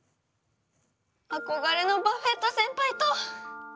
憧れのバフェット先輩と！